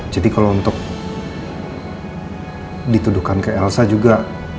jadi kalau untuk dituduhkan ke elsa juga